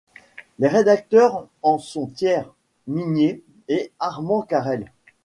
Les rédacteurs en sont Thiers, Mignet et Armand Carrel.